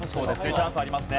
チャンスありますね。